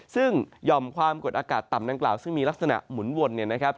ซึ่งหย่อมความกดอากาศต่ำดังกล่าวซึ่งมีลักษณะหมุนวนเนี่ยนะครับ